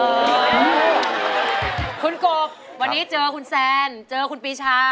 คุณกบวันนี้เจอคุณแซนเจอคุณปีชา